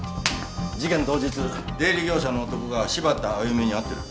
事件当日出入り業者の男が柴田亜弓に会ってる。